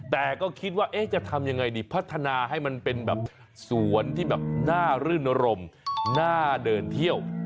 แต่ก็คิดว่าจะทำยังไงดีพัฒนาให้มันเป็นแบบสวนที่แบบน่ารื่นรมน่าเดินเที่ยว